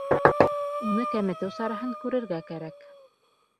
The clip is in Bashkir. Уны кәметеү сараһын күрергә кәрәк.